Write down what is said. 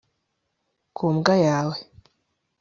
ku mbwa yawe